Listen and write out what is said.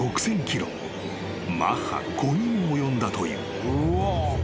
［マッハ５にも及んだという］